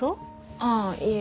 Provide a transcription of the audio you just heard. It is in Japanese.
ああいえ。